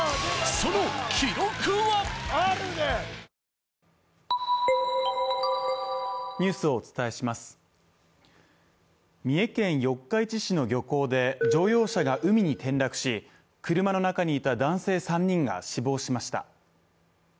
その三重県四日市市の漁港で乗用車が海に転落し、車の中にいた男性３人が死亡しました。